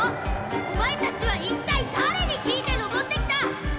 お前たちは一体誰に尋いて登って来た。